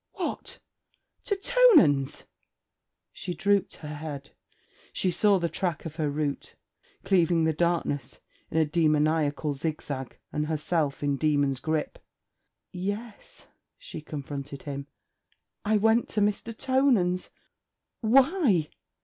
What! to Tonans?' She drooped her head: she saw the track of her route cleaving the darkness in a demoniacal zig zag and herself in demon's grip. 'Yes,' she confronted him. 'I went to Mr. Tonans.' 'Why?'